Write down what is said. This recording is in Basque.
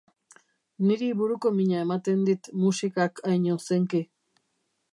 Niri buruko mina ematen dit musikak hain ozenki.